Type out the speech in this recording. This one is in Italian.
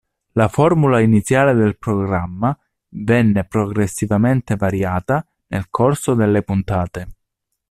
La formula iniziale del programma venne progressivamente variata nel corso delle puntate.